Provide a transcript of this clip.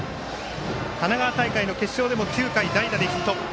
神奈川大会の決勝でも９回代打でヒット。